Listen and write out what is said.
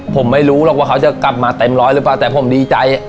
ผมไม่รู้หรอกว่าเขาจะกลับมาเต็มร้อยหรือเปล่าแต่ผมดีใจ